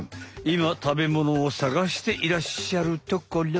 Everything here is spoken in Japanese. いま食べものをさがしていらっしゃるところ。